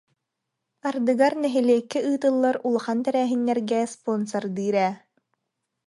Ардыгар нэһилиэккэ ыытыллар улахан тэрээһиннэргэ спонсордыыр ээ